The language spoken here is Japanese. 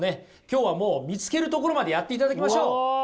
今日はもう見つけるところまでやっていただきましょう。